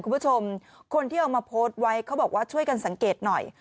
คุณผู้ชมคนที่เอามาโพสต์ไว้เขาบอกว่าช่วยกันสังเกตหน่อย